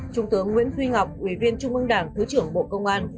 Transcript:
trung tướng nguyễn duy ngọc ủy viên trung ương đảng thứ trưởng bộ công an